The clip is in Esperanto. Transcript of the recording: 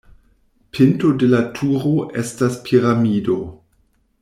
Pinto de la turo estas piramido.